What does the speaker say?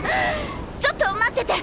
ちょっと待ってて！